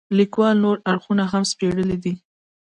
لیکوال نور اړخونه هم سپړلي دي.